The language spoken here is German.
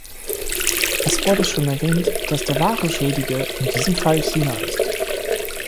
Es wurde schon erwähnt, dass der wahre Schuldige in diesem Fall China ist.